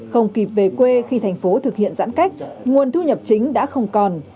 không kịp về quê khi thành phố thực hiện giãn cách nguồn thu nhập chính đã không còn